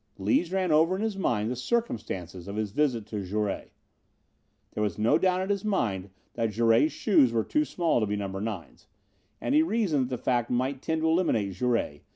Lees ran over in his mind the circumstances of his visit to Jouret. There was no doubt in his mind that Jouret's shoes were too small to be number nines, and he reasoned that that fact might tend to eliminate Jouret.